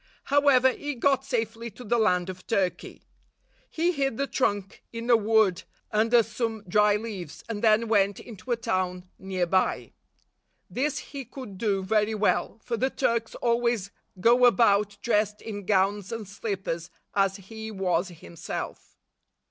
However, he got safely to the land of Turkey. I 9 I He hid the trunk in a wood under some dry leaves, and then went into a town near by. This he could do very well, for the Turks always go about dressed in gowns and slippers, as he was himself.